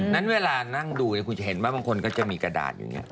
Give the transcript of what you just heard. นั้นเวลานั่งดูคุณจะเห็นว่าบางคนก็จะมีกระดาษอยู่อย่างนี้